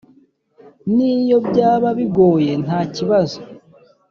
Niyo byaba bigoye ntakibazo.